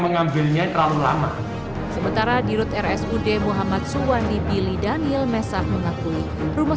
mengambilnya terlalu lama sementara di rute rsud muhammad suwandi pilih daniel mesaf mengakui rumah